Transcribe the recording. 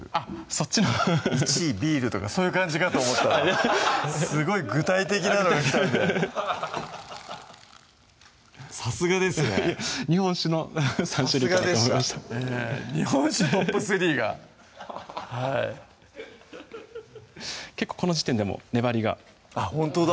そっちの１位ビールとかそういう感じかと思ったらすごい具体的なのがきたんでさすがですね日本酒の３種類かなと思いました日本酒トップスリーがはい結構この時点でもねばりがあっほんとだ